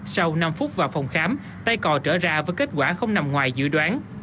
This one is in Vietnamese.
sau năm phút vào phòng khám tay cò trở ra với kết quả không nằm ngoài dự đoán